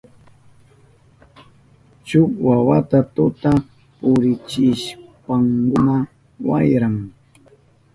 Shuk wawata tuta purichishpankuna wayran.